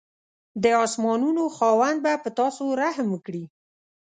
د اسمانانو خاوند به په تاسو رحم وکړي.